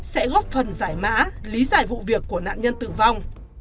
sẽ góp phần giải mã lý giải vụ việc của nạn nhân tử vong